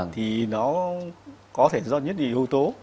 thì nó có thể do nhất định hữu tố